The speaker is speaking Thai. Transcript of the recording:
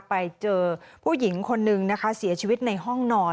ไปเจอผู้หญิงคนนึงนะคะเสียชีวิตในห้องนอน